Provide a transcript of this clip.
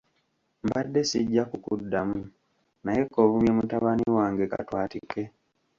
Mbadde sijja kukuddamu naye k'ovumye mutabani wange katwatike.